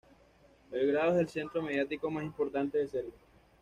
Belgrado es el centro mediático más importante de Serbia.